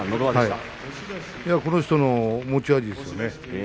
この人の持ち味ですよね。